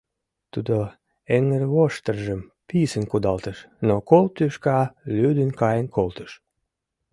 Тудо эҥырвоштыржым писын кудалтыш, но кол тӱшка лӱдын каен колтыш.